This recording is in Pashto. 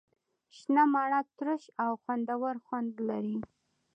شنه مڼه ترش او خوندور خوند لري.